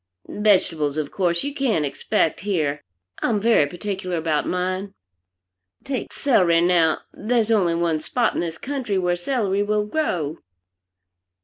Vegetables of course you can't expect here. I'm very particular about mine. Take celery, now there's only one spot in this country where celery will grow.